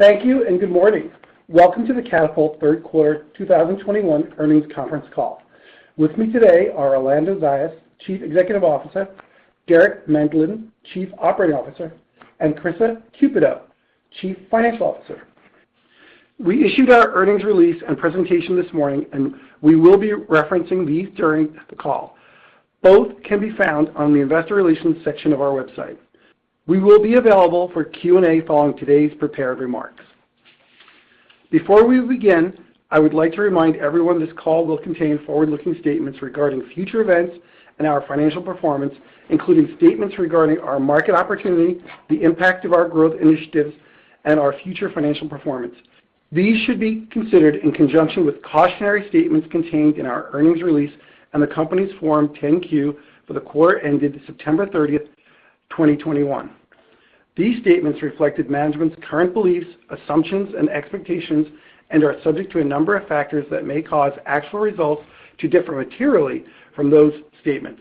Thank you, and good morning. Welcome to the Katapult Third Quarter 2021 Earnings Conference Call. With me today are Orlando Zayas, Chief Executive Officer, Derek Medlin, Chief Operating Officer, and Karissa Cupito, Chief Financial Officer. We issued our earnings release and presentation this morning, and we will be referencing these during the call. Both can be found on the investor relations section of our website. We will be available for Q&A following today's prepared remarks. Before we begin, I would like to remind everyone this call will contain forward-looking statements regarding future events and our financial performance, including statements regarding our market opportunity, the impact of our growth initiatives, and our future financial performance. These should be considered in conjunction with cautionary statements contained in our earnings release and the company's Form 10-Q for the quarter ended September 30th, 2021. These statements reflected management's current beliefs, assumptions, and expectations and are subject to a number of factors that may cause actual results to differ materially from those statements.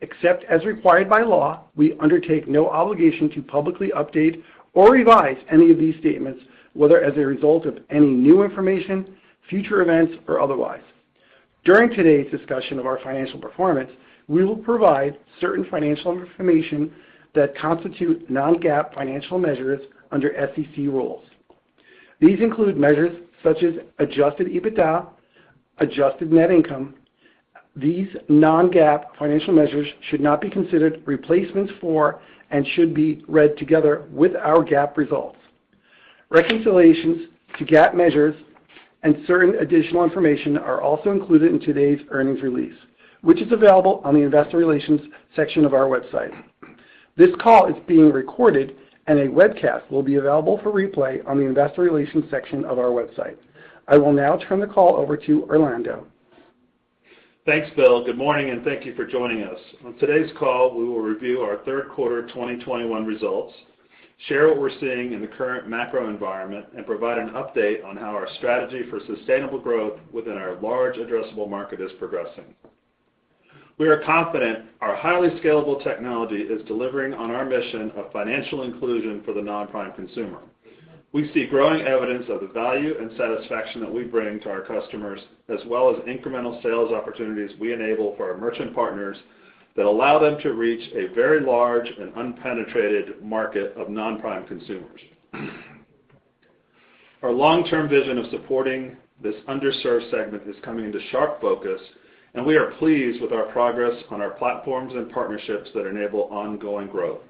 Except as required by law, we undertake no obligation to publicly update or revise any of these statements, whether as a result of any new information, future events, or otherwise. During today's discussion of our financial performance, we will provide certain financial information that constitute non-GAAP financial measures under SEC rules. These include measures such as adjusted EBITDA, adjusted net income. These non-GAAP financial measures should not be considered replacements for and should be read together with our GAAP results. Reconciliations to GAAP measures and certain additional information are also included in today's earnings release, which is available on the investor relations section of our website. This call is being recorded, and a webcast will be available for replay on the investor relations section of our website. I will now turn the call over to Orlando. Thanks, Bill. Good morning, and thank you for joining us. On today's call, we will review our third quarter 2021 results, share what we're seeing in the current macro environment, and provide an update on how our strategy for sustainable growth within our large addressable market is progressing. We are confident our highly scalable technology is delivering on our mission of financial inclusion for the non-prime consumer. We see growing evidence of the value and satisfaction that we bring to our customers, as well as incremental sales opportunities we enable for our merchant partners that allow them to reach a very large and unpenetrated market of non-prime consumers. Our long-term vision of supporting this underserved segment is coming into sharp focus, and we are pleased with our progress on our platforms and partnerships that enable ongoing growth.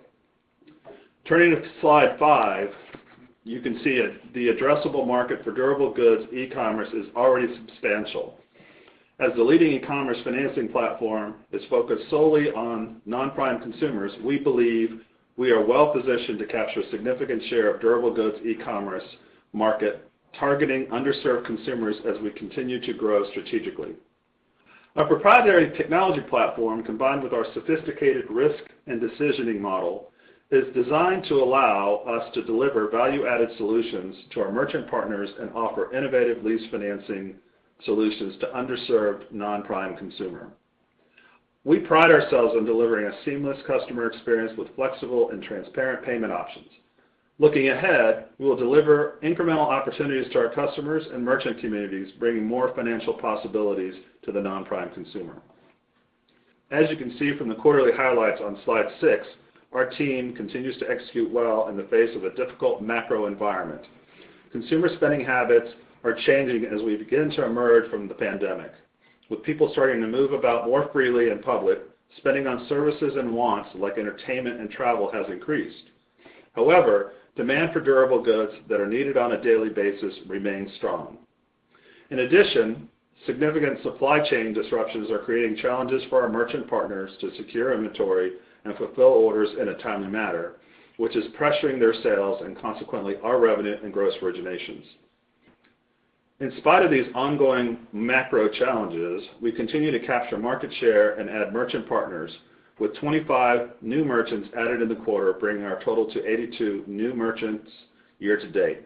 Turning to slide five, you can see it, the addressable market for durable goods e-commerce is already substantial. As the leading e-commerce financing platform is focused solely on non-prime consumers, we believe we are well-positioned to capture a significant share of durable goods e-commerce market targeting underserved consumers as we continue to grow strategically. Our proprietary technology platform, combined with our sophisticated risk and decisioning model, is designed to allow us to deliver value-added solutions to our merchant partners and offer innovative lease financing solutions to underserved non-prime consumer. We pride ourselves on delivering a seamless customer experience with flexible and transparent payment options. Looking ahead, we will deliver incremental opportunities to our customers and merchant communities, bringing more financial possibilities to the non-prime consumer. As you can see from the quarterly highlights on slide six, our team continues to execute well in the face of a difficult macro environment. Consumer spending habits are changing as we begin to emerge from the pandemic. With people starting to move about more freely in public, spending on services and wants like entertainment and travel has increased. However, demand for durable goods that are needed on a daily basis remains strong. In addition, significant supply chain disruptions are creating challenges for our merchant partners to secure inventory and fulfill orders in a timely manner, which is pressuring their sales and consequently our revenue and gross originations. In spite of these ongoing macro challenges, we continue to capture market share and add merchant partners with 25 new merchants added in the quarter, bringing our total to 82 new merchants year-to-date.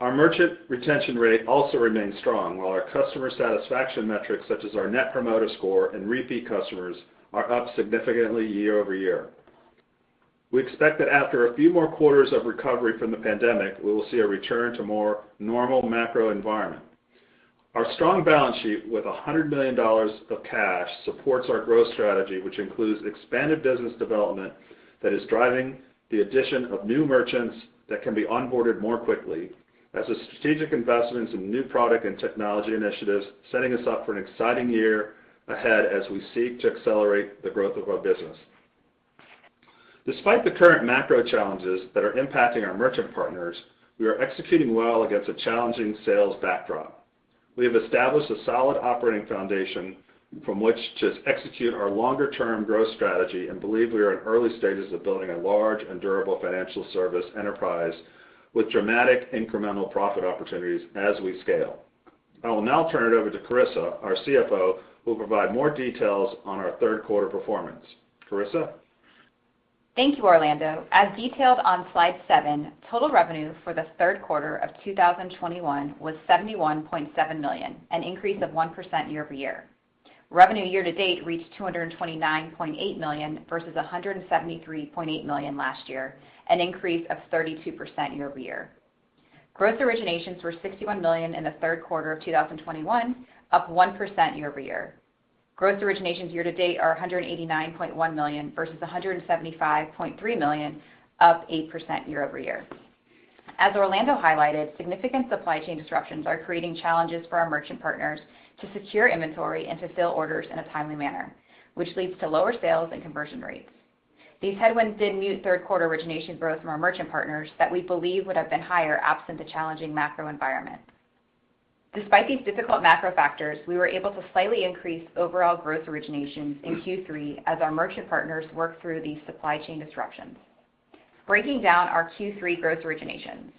Our merchant retention rate also remains strong, while our customer satisfaction metrics such as our Net Promoter Score and repeat customers are up significantly year-over-year. We expect that after a few more quarters of recovery from the pandemic, we will see a return to more normal macro environment. Our strong balance sheet with $100 million of cash supports our growth strategy, which includes expanded business development that is driving the addition of new merchants that can be onboarded more quickly as a strategic investment in new product and technology initiatives, setting us up for an exciting year ahead as we seek to accelerate the growth of our business. Despite the current macro challenges that are impacting our merchant partners, we are executing well against a challenging sales backdrop. We have established a solid operating foundation from which to execute our longer-term growth strategy and believe we are in early stages of building a large and durable financial service enterprise with dramatic incremental profit opportunities as we scale. I will now turn it over to Karissa, our CFO, who will provide more details on our third quarter performance. Karissa? Thank you, Orlando. As detailed on slide seven, total revenue for the third quarter of 2021 was $71.7 million, an increase of 1% year-over-year. Revenue year-to-date reached $229.8 million versus $173.8 million last year, an increase of 32% year-over-year. Gross originations were $61 million in the third quarter of 2021, up 1% year-over-year. Gross originations year to date are $189.1 million versus $175.3 million, up 8% year-over-year. As Orlando highlighted, significant supply chain disruptions are creating challenges for our merchant partners to secure inventory and to fill orders in a timely manner, which leads to lower sales and conversion rates. These headwinds did mute third quarter origination growth from our merchant partners that we believe would have been higher absent the challenging macro environment. Despite these difficult macro factors, we were able to slightly increase overall growth originations in Q3 as our merchant partners work through these supply chain disruptions. Breaking down our Q3 growth originations.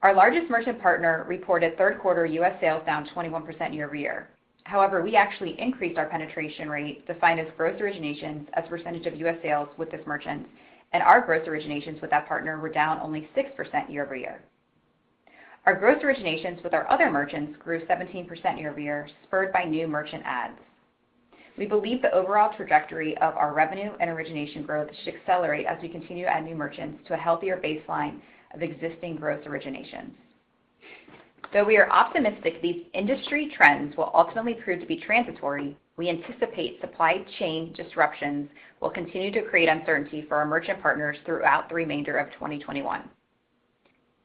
Our largest merchant partner reported third quarter U.S. sales down 21% year-over-year. However, we actually increased our penetration rate, defined as growth originations as a percentage of U.S. sales with this merchant, and our growth originations with that partner were down only 6% year-over-year. Our growth originations with our other merchants grew 17% year-over-year, spurred by new merchant adds. We believe the overall trajectory of our revenue and origination growth should accelerate as we continue to add new merchants to a healthier baseline of existing growth originations. Though we are optimistic these industry trends will ultimately prove to be transitory, we anticipate supply chain disruptions will continue to create uncertainty for our merchant partners throughout the remainder of 2021.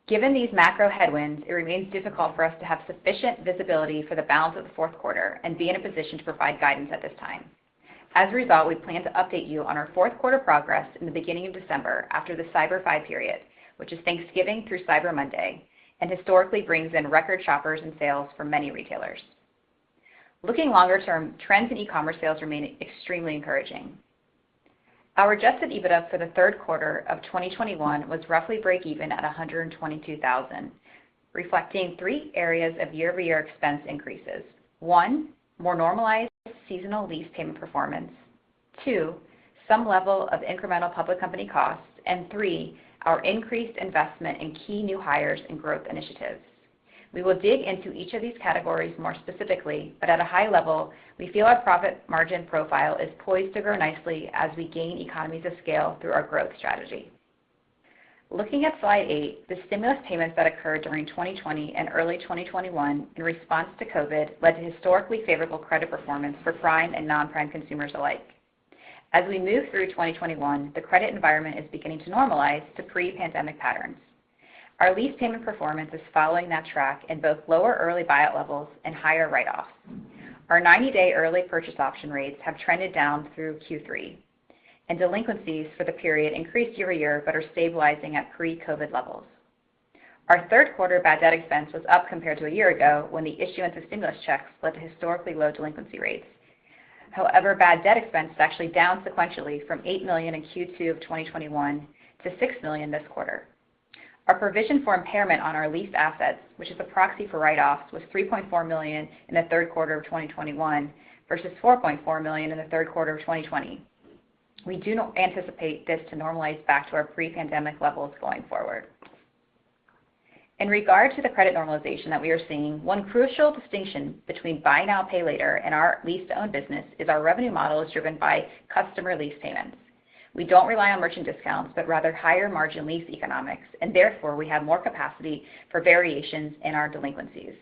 Given these macro headwinds, it remains difficult for us to have sufficient visibility for the balance of the fourth quarter and be in a position to provide guidance at this time. As a result, we plan to update you on our fourth quarter progress in the beginning of December after the Cyber 5 period, which is Thanksgiving through Cyber Monday, and historically brings in record shoppers and sales for many retailers. Looking longer term, trends in e-commerce sales remain extremely encouraging. Our adjusted EBITDA for the third quarter of 2021 was roughly break even at $122 thousand, reflecting three areas of year-over-year expense increases. One, more normalized seasonal lease payment performance. Two, some level of incremental public company costs. Three, our increased investment in key new hires and growth initiatives. We will dig into each of these categories more specifically, but at a high level, we feel our profit margin profile is poised to grow nicely as we gain economies of scale through our growth strategy. Looking at slide eight, the stimulus payments that occurred during 2020 and early 2021 in response to COVID led to historically favorable credit performance for prime and non-prime consumers alike. As we move through 2021, the credit environment is beginning to normalize to pre-pandemic patterns. Our lease payment performance is following that track in both lower early buyout levels and higher write-offs. Our 90-day early purchase option rates have trended down through Q3, and delinquencies for the period increased year-over-year, but are stabilizing at pre-COVID levels. Our third quarter bad debt expense was up compared to a year ago when the issuance of stimulus checks led to historically low delinquency rates. However, bad debt expense is actually down sequentially from $8 million in Q2 of 2021 to $6 million this quarter. Our provision for impairment on our leased assets, which is a proxy for write-offs, was $3.4 million in the third quarter of 2021 versus $4.4 million in the third quarter of 2020. We do not anticipate this to normalize back to our pre-pandemic levels going forward. In regard to the credit normalization that we are seeing, one crucial distinction between buy now, pay later and our lease-to-own business is our revenue model is driven by customer lease payments. We don't rely on merchant discounts, but rather higher margin lease economics, and therefore, we have more capacity for variations in our delinquencies.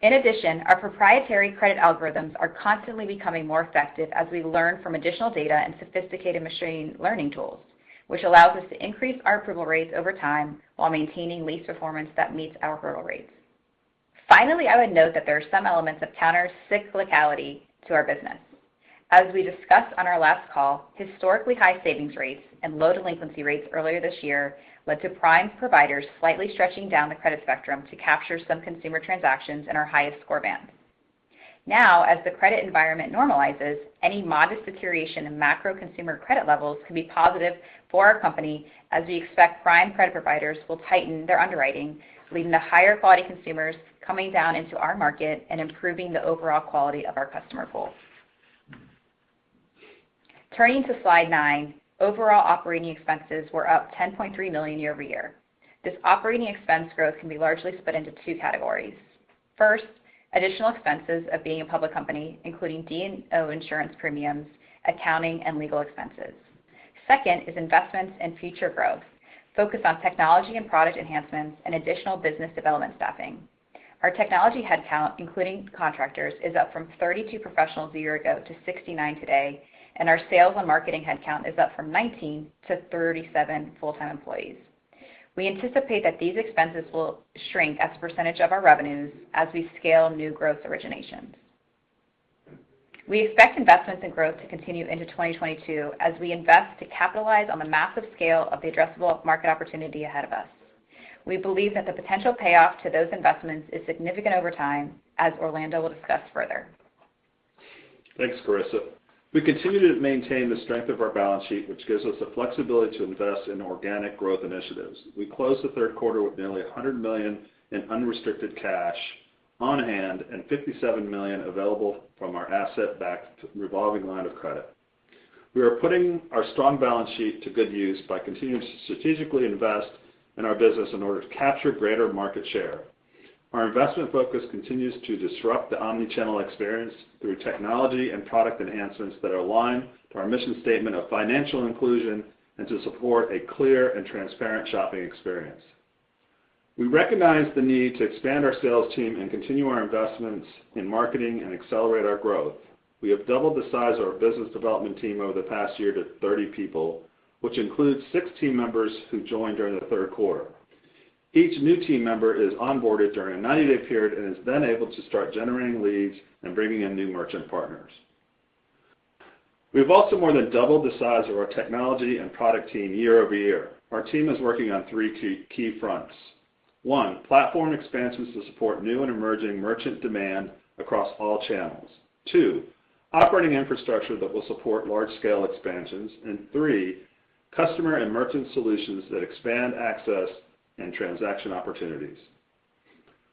In addition, our proprietary credit algorithms are constantly becoming more effective as we learn from additional data and sophisticated machine learning tools, which allows us to increase our approval rates over time while maintaining lease performance that meets our hurdle rates. Finally, I would note that there are some elements of countercyclicality to our business. As we discussed on our last call, historically high savings rates and low delinquency rates earlier this year led to prime providers slightly stretching down the credit spectrum to capture some consumer transactions in our highest score band. Now, as the credit environment normalizes, any modest deterioration in macro consumer credit levels could be positive for our company as we expect prime credit providers will tighten their underwriting, leading to higher quality consumers coming down into our market and improving the overall quality of our customer pool. Turning to slide nine, overall operating expenses were up $10.3 million year-over-year. This operating expense growth can be largely split into two categories. First, additional expenses of being a public company, including D&O insurance premiums, accounting, and legal expenses. Second is investments in future growth, focused on technology and product enhancements and additional business development staffing. Our technology headcount, including contractors, is up from 32 professionals a year ago to 69 today, and our sales and marketing headcount is up from 19 to 37 full-time employees. We anticipate that these expenses will shrink as a percentage of our revenues as we scale new growth originations. We expect investments in growth to continue into 2022 as we invest to capitalize on the massive scale of the addressable market opportunity ahead of us. We believe that the potential payoff to those investments is significant over time, as Orlando will discuss further. Thanks, Karissa. We continue to maintain the strength of our balance sheet, which gives us the flexibility to invest in organic growth initiatives. We closed the third quarter with nearly $100 million in unrestricted cash on hand and $57 million available from our asset-backed revolving line of credit. We are putting our strong balance sheet to good use by continuing to strategically invest in our business in order to capture greater market share. Our investment focus continues to disrupt the omni-channel experience through technology and product enhancements that align to our mission statement of financial inclusion and to support a clear and transparent shopping experience. We recognize the need to expand our sales team and continue our investments in marketing and accelerate our growth. We have doubled the size of our business development team over the past year to 30 people, which includes six team members who joined during the third quarter. Each new team member is onboarded during a 90-day period and is then able to start generating leads and bringing in new merchant partners. We've also more than doubled the size of our technology and product team year-over-year. Our team is working on three key fronts. One, platform expansions to support new and emerging merchant demand across all channels. Two, operating infrastructure that will support large-scale expansions. And three, customer and merchant solutions that expand access and transaction opportunities.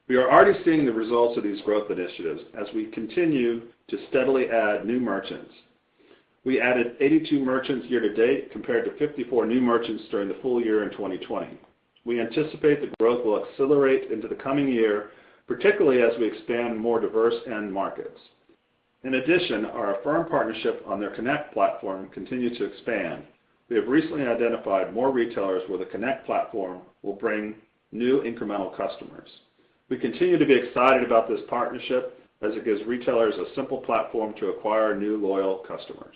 We are already seeing the results of these growth initiatives as we continue to steadily add new merchants. We added 82 merchants year-to-date compared to 54 new merchants during the full year in 2020. We anticipate the growth will accelerate into the coming year, particularly as we expand more diverse end markets. In addition, our Affirm partnership on their Connect platform continue to expand. We have recently identified more retailers where the Connect platform will bring new incremental customers. We continue to be excited about this partnership as it gives retailers a simple platform to acquire new loyal customers.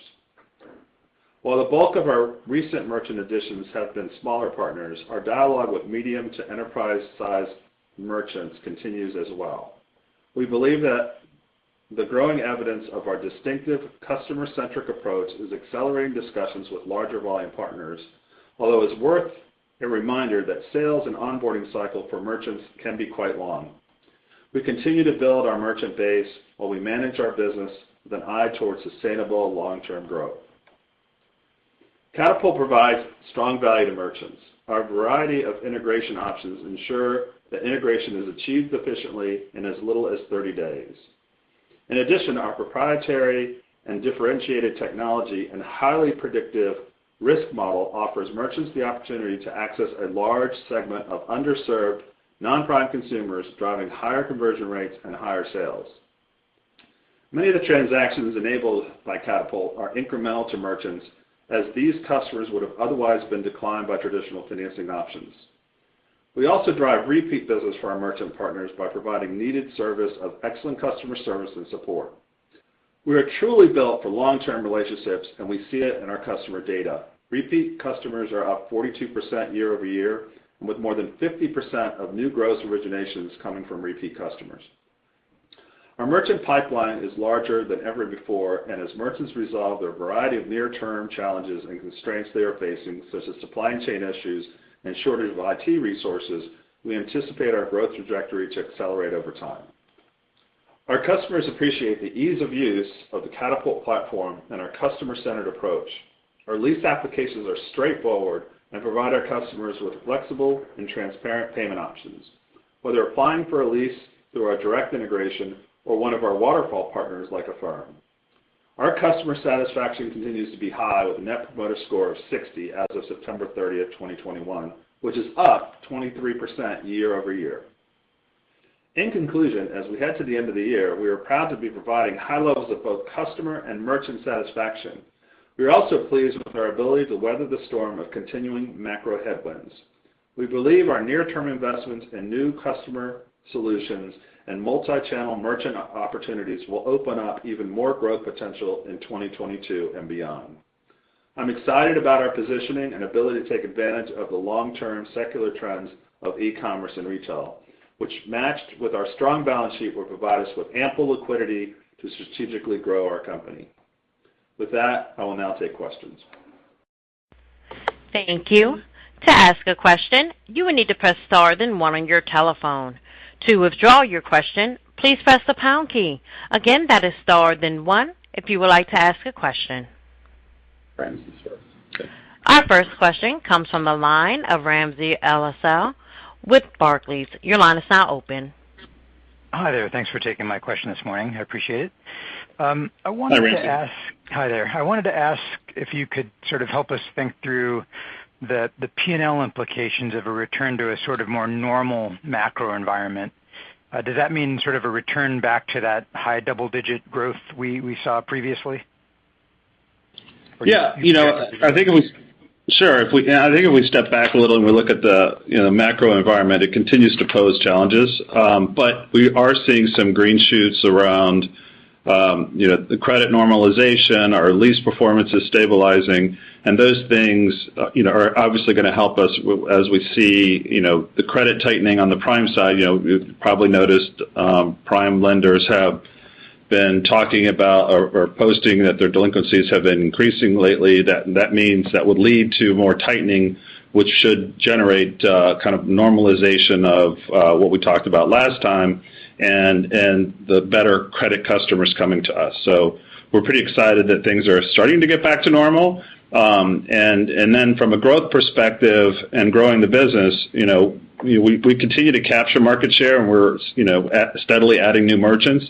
While the bulk of our recent merchant additions have been smaller partners, our dialogue with medium to enterprise-sized merchants continues as well. We believe that the growing evidence of our distinctive customer-centric approach is accelerating discussions with larger volume partners. Although it's worth a reminder that sales and onboarding cycle for merchants can be quite long. We continue to build our merchant base while we manage our business with an eye towards sustainable long-term growth. Katapult provides strong value to merchants. Our variety of integration options ensure that integration is achieved efficiently in as little as 30 days. In addition, our proprietary and differentiated technology and highly predictive risk model offers merchants the opportunity to access a large segment of underserved non-prime consumers, driving higher conversion rates and higher sales. Many of the transactions enabled by Katapult are incremental to merchants, as these customers would have otherwise been declined by traditional financing options. We also drive repeat business for our merchant partners by providing needed service of excellent customer service and support. We are truly built for long-term relationships, and we see it in our customer data. Repeat customers are up 42% year-over-year, with more than 50% of new gross originations coming from repeat customers. Our merchant pipeline is larger than ever before, and as merchants resolve their variety of near-term challenges and constraints they are facing, such as supply chain issues and shortage of IT resources, we anticipate our growth trajectory to accelerate over time. Our customers appreciate the ease of use of the Katapult platform and our customer-centered approach. Our lease applications are straightforward and provide our customers with flexible and transparent payment options, whether applying for a lease through our direct integration or one of our waterfall partners like Affirm. Our customer satisfaction continues to be high with a Net Promoter Score of 60 as of September 30, 2021, which is up 23% year-over-year. In conclusion, as we head to the end of the year, we are proud to be providing high levels of both customer and merchant satisfaction. We are also pleased with our ability to weather the storm of continuing macro headwinds. We believe our near-term investments in new customer solutions and multi-channel merchant opportunities will open up even more growth potential in 2022 and beyond. I'm excited about our positioning and ability to take advantage of the long-term secular trends of e-commerce and retail, which matched with our strong balance sheet, will provide us with ample liquidity to strategically grow our company. With that, I will now take questions. Thank you. To ask a question, you will need to press star then one on your telephone. To withdraw your question, please press the pound key. Again, that is star then one if you would like to ask a question. Ramsey Our first question comes from the line of Ramsey El-Assal with Barclays. Your line is now open. Hi there. Thanks for taking my question this morning. I appreciate it. I wanted to ask. Hi, Ramsey. Hi there. I wanted to ask if you could sort of help us think through the P&L implications of a return to a sort of more normal macro environment. Does that mean sort of a return back to that high double-digit growth we saw previously? You know, I think if we step back a little and we look at the you know macro environment, it continues to pose challenges. We are seeing some green shoots around you know the credit normalization. Our lease performance is stabilizing, and those things you know are obviously gonna help us as we see you know the credit tightening on the prime side. You know, you've probably noticed prime lenders have been talking about or posting that their delinquencies have been increasing lately. That means that would lead to more tightening, which should generate kind of normalization of what we talked about last time and the better credit customers coming to us. We're pretty excited that things are starting to get back to normal. From a growth perspective and growing the business, you know, we continue to capture market share, and we're steadily adding new merchants.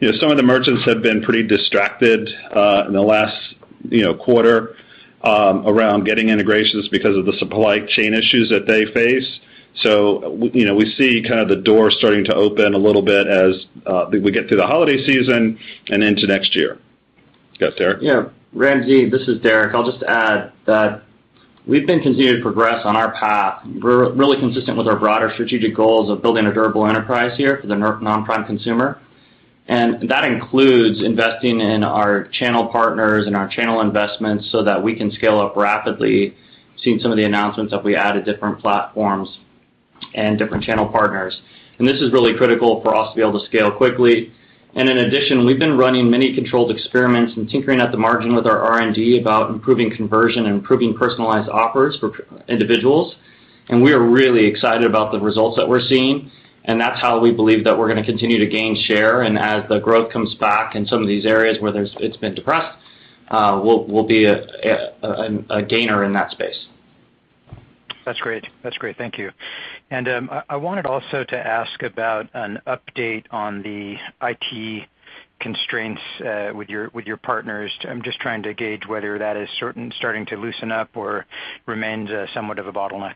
You know, some of the merchants have been pretty distracted in the last, you know, quarter around getting integrations because of the supply chain issues that they face. You know, we see kind of the door starting to open a little bit as we get through the holiday season and into next year. Yes, Derek? Yeah. Ramsey, this is Derek. I'll just add that we've been continuing to progress on our path. We're really consistent with our broader strategic goals of building a durable enterprise here for the non-prime consumer. That includes investing in our channel partners and our channel investments so that we can scale up rapidly, seeing some of the announcements that we added different platforms and different channel partners. This is really critical for us to be able to scale quickly. In addition, we've been running many controlled experiments and tinkering at the margin with our R&D about improving conversion and improving personalized offers for individuals. We are really excited about the results that we're seeing, and that's how we believe that we're going to continue to gain share. As the growth comes back in some of these areas where it's been depressed, we'll be a gainer in that space. That's great. Thank you. I wanted also to ask about an update on the IT constraints with your partners. I'm just trying to gauge whether that is starting to loosen up or remains somewhat of a bottleneck?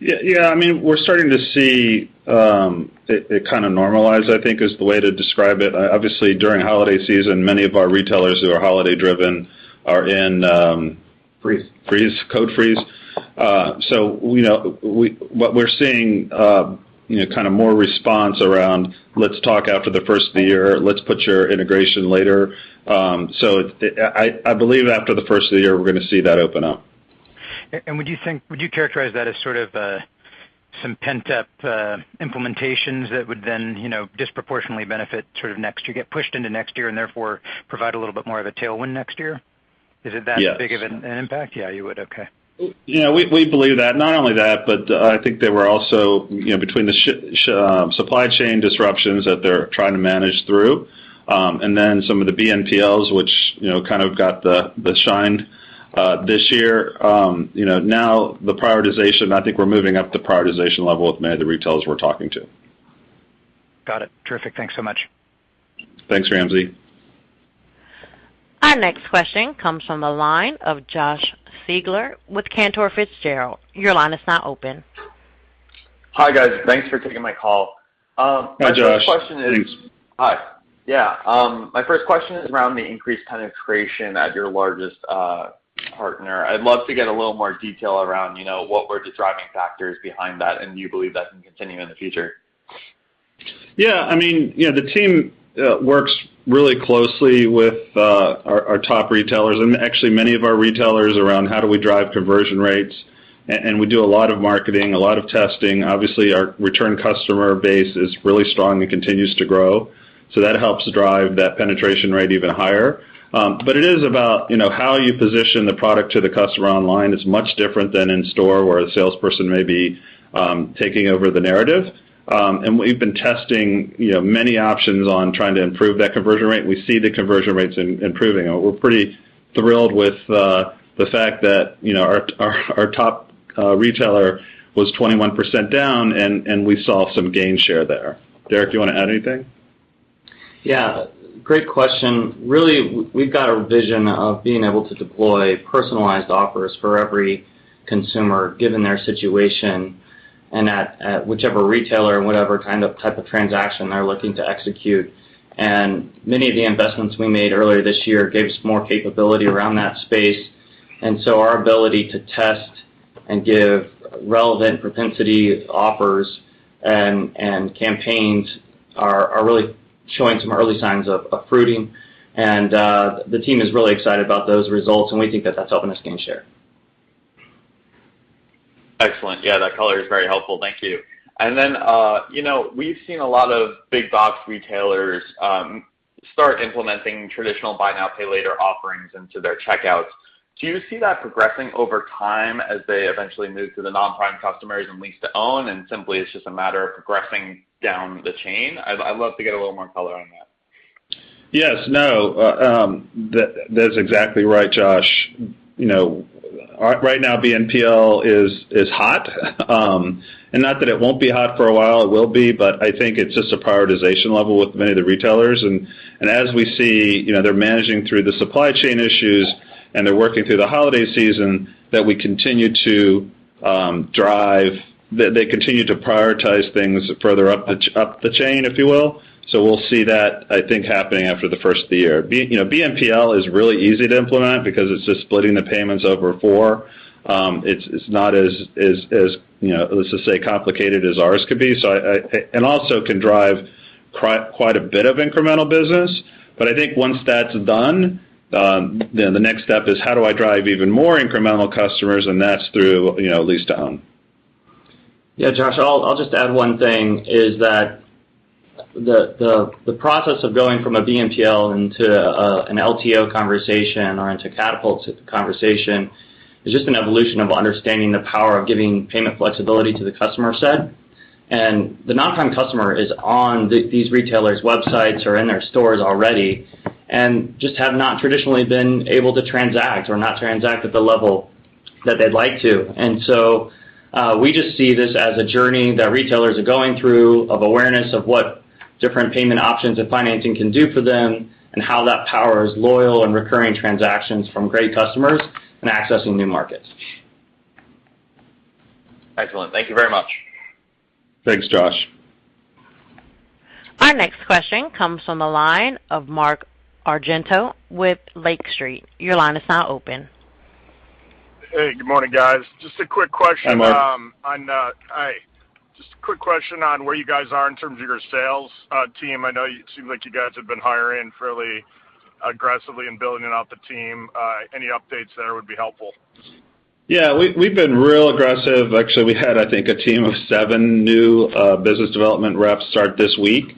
Yeah. I mean, we're starting to see it kind of normalize, I think is the way to describe it. Obviously, during holiday season, many of our retailers who are holiday-driven are in. Freeze. code freeze. You know, what we're seeing, you know, kind of more response around, "Let's talk after the first of the year. Let's put your integration later." I believe after the first of the year, we're going to see that open up. Would you characterize that as sort of some pent-up implementations that would then, you know, disproportionately benefit sort of next year, get pushed into next year and therefore provide a little bit more of a tailwind next year? Yes. Is it that big of an impact? Yeah, you would. Okay. Yeah, we believe that. Not only that, but I think there were also, you know, between the supply chain disruptions that they're trying to manage through, and then some of the BNPLs which, you know, kind of got the shine this year. You know, now the prioritization, I think we're moving up the prioritization level with many of the retailers we're talking to. Got it. Terrific. Thanks so much. Thanks, Ramsey. Our next question comes from the line of Josh Siegler with Cantor Fitzgerald. Your line is now open. Hi, guys. Thanks for taking my call. Hi, Josh. My first question is. Hi. Yeah. My first question is around the increased penetration at your largest partner. I'd love to get a little more detail around, you know, what were the driving factors behind that, and do you believe that can continue in the future? Yeah. I mean, you know, the team works really closely with our top retailers and actually many of our retailers around how do we drive conversion rates. We do a lot of marketing, a lot of testing. Obviously, our return customer base is really strong and continues to grow, so that helps drive that penetration rate even higher. It is about, you know, how you position the product to the customer online. It's much different than in store, where a salesperson may be taking over the narrative. We've been testing, you know, many options on trying to improve that conversion rate. We see the conversion rates improving. We're pretty thrilled with the fact that, you know, our top retailer was 21% down and we saw some gain share there. Derek, do you want to add anything? Yeah, great question. Really, we've got a vision of being able to deploy personalized offers for every consumer given their situation and at whichever retailer and whatever kind of type of transaction they're looking to execute. Many of the investments we made earlier this year gave us more capability around that space. Our ability to test and give relevant propensity offers and campaigns are really showing some early signs of fruiting. The team is really excited about those results, and we think that that's helping us gain share. Excellent. Yeah, that color is very helpful. Thank you. You know, we've seen a lot of big box retailers start implementing traditional buy now, pay later offerings into their checkouts. Do you see that progressing over time as they eventually move to the non-prime customers and lease to own, and simply it's just a matter of progressing down the chain? I'd love to get a little more color on that. Yes. No. That's exactly right, Josh. You know, right now BNPL is hot. And not that it won't be hot for a while, it will be, but I think it's just a prioritization level with many of the retailers. And as we see, you know, they're managing through the supply chain issues and they're working through the holiday season that they continue to prioritize things further up the chain, if you will. We'll see that, I think, happening after the first of the year. You know, BNPL is really easy to implement because it's just splitting the payments over four. It's not as, you know, let's just say, complicated as ours could be. And also can drive quite a bit of incremental business. I think once that's done, then the next step is how do I drive even more incremental customers? That's through, you know, lease to own. Yeah, Josh, I'll just add one thing. The process of going from a BNPL into an LTO conversation or into Katapult conversation is just an evolution of understanding the power of giving payment flexibility to the customer set. The non-prime customer is on these retailers' websites or in their stores already, and just have not traditionally been able to transact or not transact at the level. That they'd like to. We just see this as a journey that retailers are going through of awareness of what different payment options and financing can do for them and how that powers loyal and recurring transactions from great customers and accessing new markets. Excellent. Thank you very much. Thanks, Josh. Our next question comes from the line of Mark Argento with Lake Street. Your line is now open. Hey, good morning, guys. Just a quick question. Hi, Mark. Hi. Just a quick question on where you guys are in terms of your sales team? I know, it seems like you guys have been hiring fairly aggressively and building out the team. Any updates there would be helpful. Yeah. We've been real aggressive. Actually, we had, I think, a team of seven new business development reps start this week.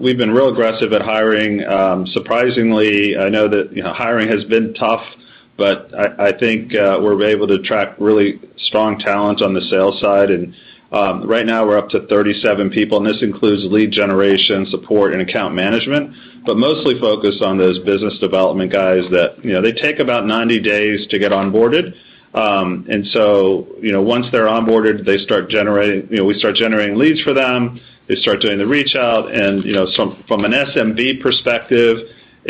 We've been real aggressive at hiring. Surprisingly, I know that, you know, hiring has been tough, but I think we're able to attract really strong talent on the sales side. Right now we're up to 37 people, and this includes lead generation, support, and account management. Mostly focused on those business development guys that, you know, they take about 90 days to get onboarded. You know, once they're onboarded, we start generating leads for them, they start doing the reach out. You know, from an SMB perspective,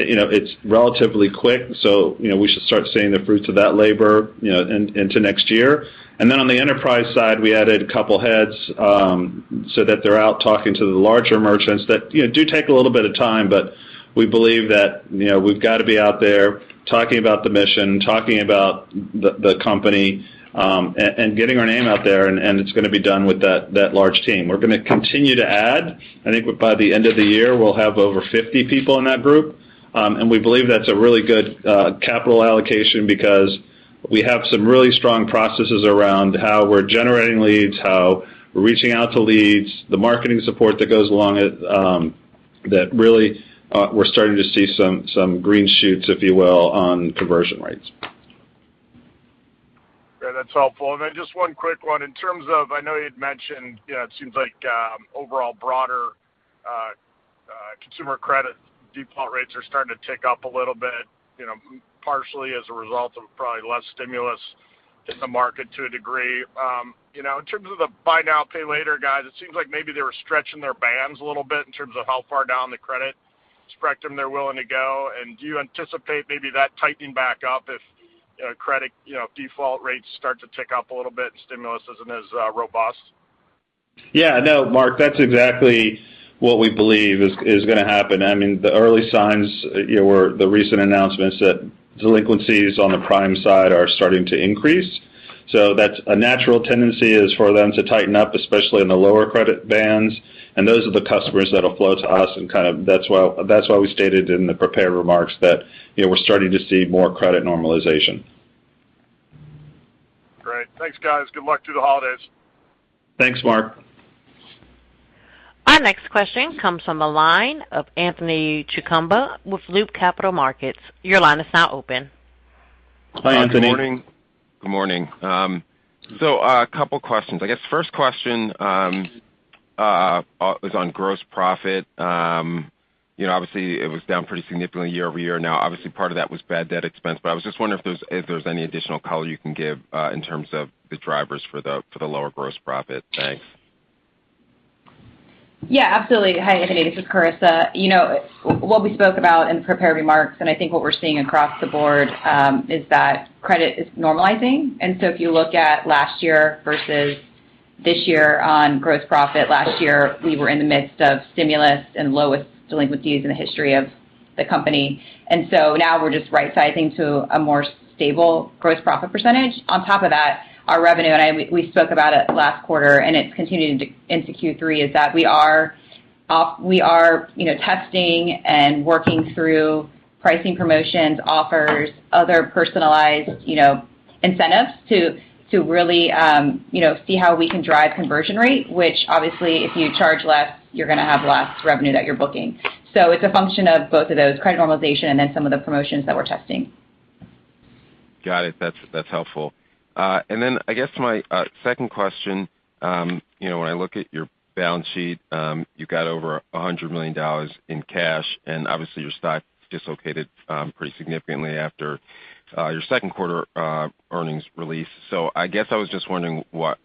you know, it's relatively quick, so, you know, we should start seeing the fruits of that labor, you know, into next year. Then on the enterprise side, we added a couple heads, so that they're out talking to the larger merchants that, you know, do take a little bit of time, but we believe that, you know, we've got to be out there talking about the mission, talking about the company, and getting our name out there, and it's gonna be done with that large team. We're gonna continue to add. I think by the end of the year, we'll have over 50 people in that group. And we believe that's a really good capital allocation because we have some really strong processes around how we're generating leads, how we're reaching out to leads, the marketing support that goes along it, that really we're starting to see some green shoots, if you will, on conversion rates. Great. That's helpful. Just one quick one. In terms of, I know you'd mentioned, you know, it seems like overall broader consumer credit default rates are starting to tick up a little bit, you know, partially as a result of probably less stimulus in the market to a degree. You know, in terms of the buy now, pay later guys, it seems like maybe they were stretching their bands a little bit in terms of how far down the credit spectrum they're willing to go. Do you anticipate maybe that tightening back up if, you know, credit, you know, default rates start to tick up a little bit and stimulus isn't as robust? Yeah. No, Mark, that's exactly what we believe is gonna happen. I mean, the early signs, you know, were the recent announcements that delinquencies on the prime side are starting to increase. So that's a natural tendency is for them to tighten up, especially in the lower credit bands, and those are the customers that'll flow to us and kind of. That's why we stated in the prepared remarks that, you know, we're starting to see more credit normalization. Great. Thanks, guys. Good luck through the holidays. Thanks, Mark. Our next question comes from the line of Anthony Chukumba with Loop Capital Markets. Your line is now open. Hi, Anthony. Good morning. A couple questions. I guess first question is on gross profit. You know, obviously, it was down pretty significantly year-over-year. Now, obviously, part of that was bad debt expense, but I was just wondering if there's any additional color you can give in terms of the drivers for the lower gross profit? Thanks. Yeah, absolutely. Hi, Anthony, this is Karissa. You know, what we spoke about in prepared remarks, and I think what we're seeing across the board is that credit is normalizing. If you look at last year versus this year on gross profit, last year we were in the midst of stimulus and lowest delinquencies in the history of the company. Now we're just rightsizing to a more stable gross profit percentage. On top of that, our revenue, we spoke about it last quarter and it's continuing into Q3, is that we are, you know, testing and working through pricing promotions, offers, other personalized, you know, incentives to really, you know, see how we can drive conversion rate, which obviously, if you charge less, you're gonna have less revenue that you're booking. It's a function of both of those, credit normalization and then some of the promotions that we're testing. Got it. That's helpful. Then I guess my second question, you know, when I look at your balance sheet, you've got over $100 million in cash, and obviously your stock dislocated pretty significantly after your second quarter earnings release. I guess I was just wondering what,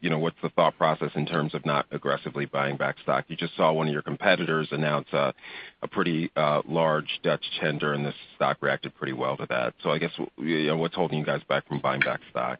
you know, what's the thought process in terms of not aggressively buying back stock. You just saw one of your competitors announce a pretty large Dutch tender, and the stock reacted pretty well to that. I guess, you know, what's holding you guys back from buying back stock?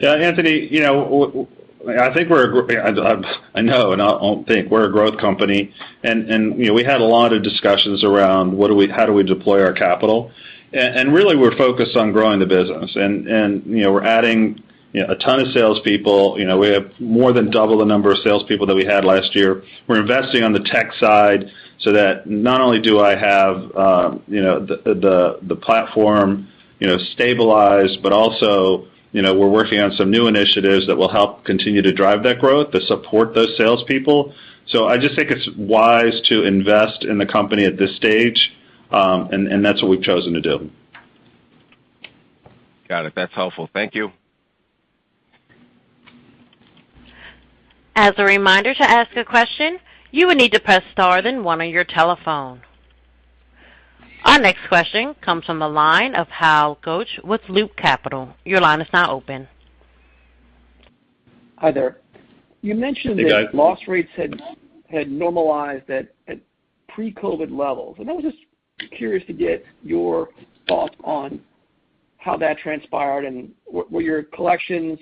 Yeah, Anthony, you know, I know, and I don't think we're a growth company. You know, we had a lot of discussions around how do we deploy our capital? Really, we're focused on growing the business. You know, we're adding, you know, a ton of salespeople. You know, we have more than double the number of salespeople than we had last year. We're investing on the tech side so that not only do I have, you know, the platform, you know, stabilized, but also, you know, we're working on some new initiatives that will help continue to drive that growth, to support those salespeople. I just think it's wise to invest in the company at this stage, and that's what we've chosen to do. Got it. That's helpful. Thank you. As a reminder, to ask a question, you will need to press star then one on your telephone. Our next question comes from the line of Hal Goetsch with Loop Capital. Your line is now open. Hi there. Hey, guys. You mentioned that loss rates had normalized at pre-COVID levels. I was just curious to get your thoughts on how that transpired and were your collections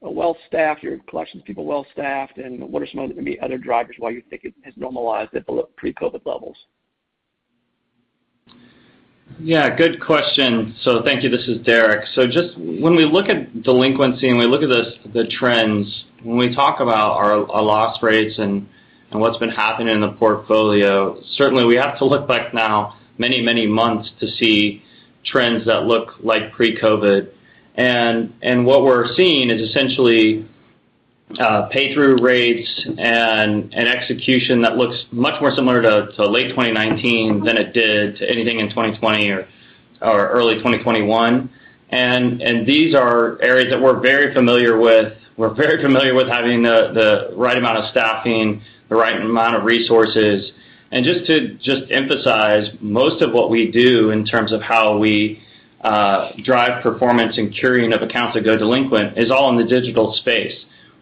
well-staffed, your collections people well-staffed, and what are some of the other drivers why you think it has normalized at the pre-COVID levels? Yeah, good question. Thank you. This is Derek. Just when we look at delinquency, and we look at the trends, when we talk about our loss rates and what's been happening in the portfolio, certainly we have to look back now many, many months to see trends that look like pre-COVID. What we're seeing is essentially pay through rates and an execution that looks much more similar to late 2019 than it did to anything in 2020 or early 2021. These are areas that we're very familiar with. We're very familiar with having the right amount of staffing, the right amount of resources. Just emphasize most of what we do in terms of how we drive performance and curing of accounts that go delinquent is all in the digital space.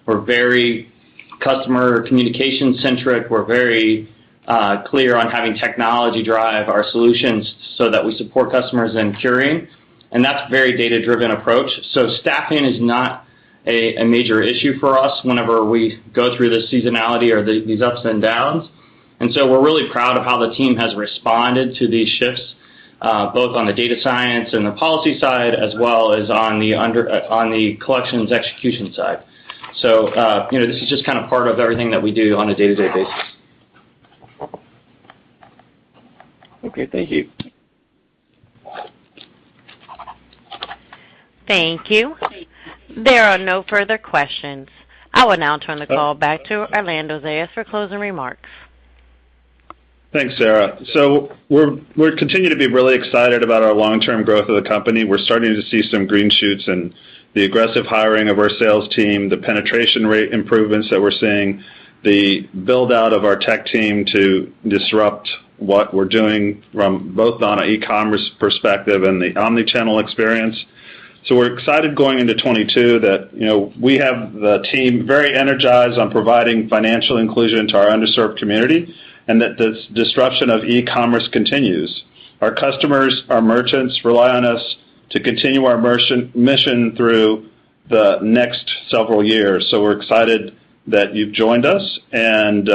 We're very customer communication-centric. We're very clear on having technology drive our solutions so that we support customers in curing. That's a very data-driven approach. Staffing is not a major issue for us whenever we go through this seasonality or these ups and downs. We're really proud of how the team has responded to these shifts, both on the data science and the policy side as well as on the collections execution side. You know, this is just kind of part of everything that we do on a day-to-day basis. Okay. Thank you. Thank you. There are no further questions. I will now turn the call back to Orlando Zayas for closing remarks. Thanks, Sarah. We're continuing to be really excited about our long-term growth of the company. We're starting to see some green shoots and the aggressive hiring of our sales team, the penetration rate improvements that we're seeing, the build-out of our tech team to disrupt what we're doing from both on an e-commerce perspective and the omni-channel experience. We're excited going into 2022 that, you know, we have the team very energized on providing financial inclusion to our underserved community and that this disruption of e-commerce continues. Our customers, our merchants rely on us to continue our mission through the next several years. We're excited that you've joined us, and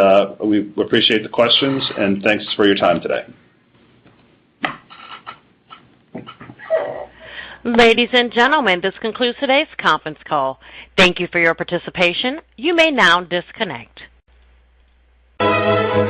we appreciate the questions, and thanks for your time today. Ladies and gentlemen, this concludes today's conference call. Thank you for your participation. You may now disconnect.